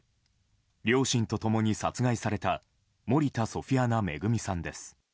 両親と共に殺害された森田ソフィアナ恵さんです。